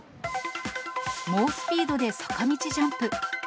猛スピードで坂道ジャンプ。